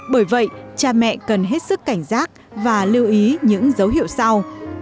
bởi vậy cha mẹ cần hết sức cảnh giác và lưu ý những dấu hiệu sau